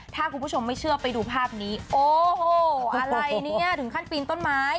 ถ้าคุณผู้ชมไม่เชื่อไปดูภาพนี้โอ้โหอะไรเนี่ยถึงขั้นปีนต้นไม้